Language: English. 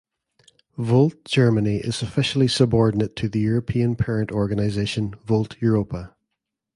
Volt Germany is officially subordinate to the European parent organisation Volt Europa.